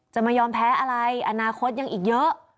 จะไม่ยอมแพ้อะไรอนาคตยังอีกเยอะ